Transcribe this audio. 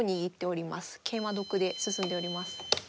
桂馬得で進んでおります。